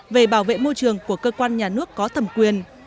về bảo vệ môi trường của cơ quan nhà nước có thẩm quyền